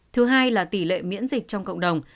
thứ hai là tỷ lệ miễn dịch trong cộng đồng